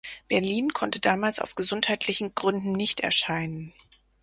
Berlin konnte damals aus gesundheitlichen Gründen nicht erscheinen.